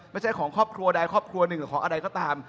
ไม่ใช่ของครอบครัวใดครอบครัวหนึ่งหรือของอะไรก็ตาม